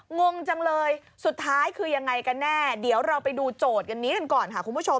งงจังเลยสุดท้ายคือยังไงกันแน่เดี๋ยวเราไปดูโจทย์กันนี้กันก่อนค่ะคุณผู้ชม